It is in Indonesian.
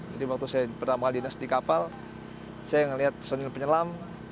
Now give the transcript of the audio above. jadi waktu saya pertama kali di nes di kapal saya melihat pesawat penyelam